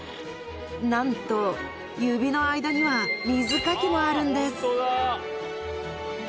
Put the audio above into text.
なんと指の間には水かきもあるんです